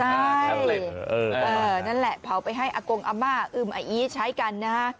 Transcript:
ใช่นั่นแหละเผาไปให้อากงอาม่าอึมอาอีใช้กันนะฮะ